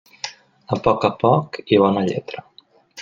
A poc a poc i bona lletra.